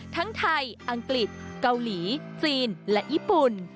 ทั้งไทยอังกฤษเกาหลีจีนและญี่ปุ่น